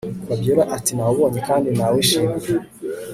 Fabiora atinawubonye kandi nawishimiye